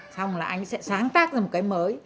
xong là anh sẽ sáng tác ra một cái mới